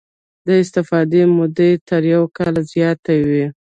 د استفادې موده یې تر یو کال زیاته وي.